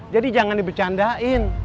jadi jangan dibercandain